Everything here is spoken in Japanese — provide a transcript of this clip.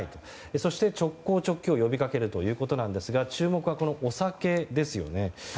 そして、直行直帰を呼びかけるということですが注目は、お酒ですよね。